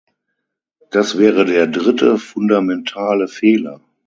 Das wäre der dritte fundamentale Fehler.